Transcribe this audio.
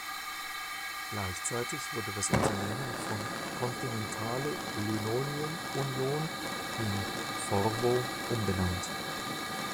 Gleichzeitig wurde das Unternehmen von "Continentale Linoleum Union" in "Forbo" umbenannt.